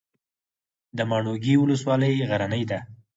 د ماڼوګي ولسوالۍ غرنۍ ده